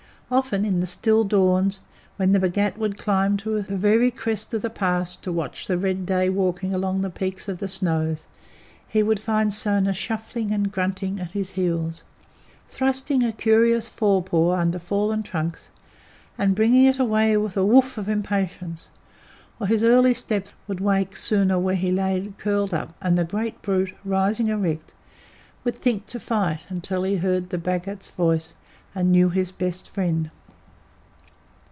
Often, in the still dawns, when the Bhagat would climb to the very crest of the pass to watch the red day walking along the peaks of the snows, he would find Sona shuffling and grunting at his heels, thrusting, a curious fore paw under fallen trunks, and bringing it away with a WHOOF of impatience; or his early steps would wake Sona where he lay curled up, and the great brute, rising erect, would think to fight, till he heard the Bhagat's voice and knew his best friend.